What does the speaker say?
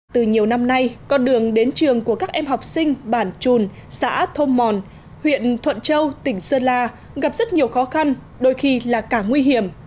từ nhiều năm nay con đường đến trường của các em học sinh bản trùn xã thôm mòn huyện thuận châu tỉnh sơn la gặp rất nhiều khó khăn đôi khi là cả nguy hiểm